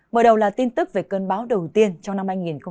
mở đầu là tin tức về cơn bão đầu tiên trong năm hai nghìn hai mươi